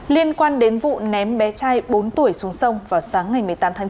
liên quan đến vụ ném bé trai bốn tuổi xuống sông vào sáng ngày một mươi tám tháng chín